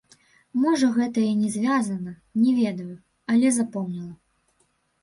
Можа гэта і не звязана, не ведаю, але запомніла.